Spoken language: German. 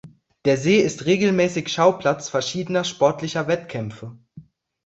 Der See ist regelmäßig Schauplatz verschiedener sportlicher Wettkämpfe.